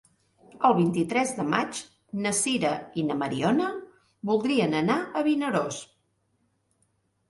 El vint-i-tres de maig na Sira i na Mariona voldrien anar a Vinaròs.